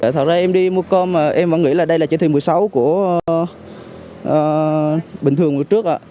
thật ra em đi mua cơm mà em vẫn nghĩ là đây là chỉ thị một mươi sáu của bình thường trước